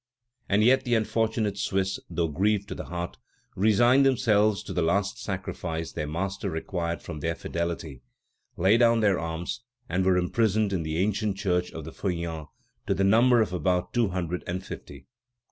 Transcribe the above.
And yet the unfortunate Swiss, though grieved to the heart, resigned themselves to the last sacrifice their master required from their fidelity, laid down their arms, and were imprisoned in the ancient church of the Feuillants, to the number of about two hundred and fifty.